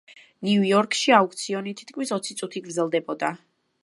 ნიუ-იორკში აუქციონი თითქმის ოცი წუთი გრძელდებოდა.